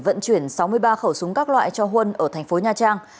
vận chuyển sáu mươi ba khẩu súng các loại cho huân ở thành phố nha trang